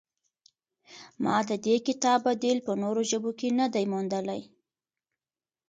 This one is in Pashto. ما د دې کتاب بدیل په نورو ژبو کې نه دی موندلی.